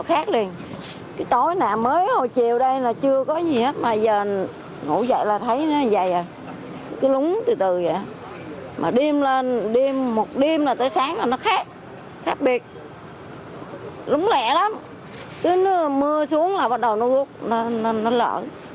khác biệt lúng lẹ lắm chứ mưa xuống là bắt đầu nó lỡ